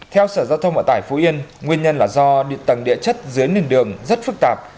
theo sở giao thông ở tải phú yên nguyên nhân là do tầng địa chất dưới nền đường rất phức tạp